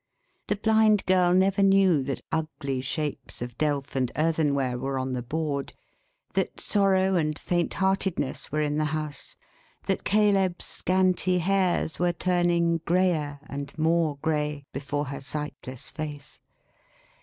The Blind Girl never knew that ugly shapes of delf and earthenware were on the board; that sorrow and faint heartedness were in the house; that Caleb's scanty hairs were turning greyer and more grey before her sightless face.